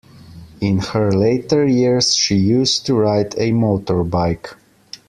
In her later years she used to ride a motorbike